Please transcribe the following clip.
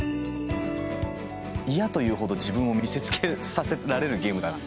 いやという程、自分を見せつけさせられるゲームだな。